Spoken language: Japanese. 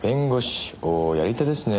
おおやり手ですね